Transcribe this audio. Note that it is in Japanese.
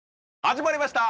始まりました